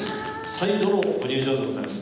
再度のご入場でございます。